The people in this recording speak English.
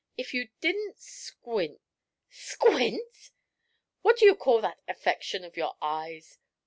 If you didn't squint " "Squint!" "What do you call that affection of your eyes?"